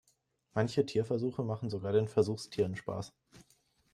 Manche Tierversuche machen sogar den Versuchstieren Spaß.